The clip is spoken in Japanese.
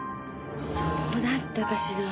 そうだったかしら。